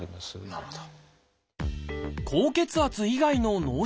なるほど。